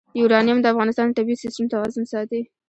یورانیم د افغانستان د طبعي سیسټم توازن ساتي.